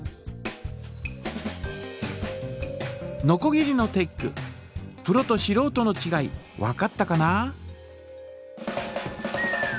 のこぎりのテックプロとしろうとのちがいわかったかな？